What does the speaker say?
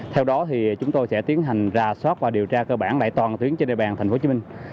theo đó chúng tôi sẽ tiến hành rà soát và điều tra cơ bản lại toàn tuyến trên đề bàn tp hcm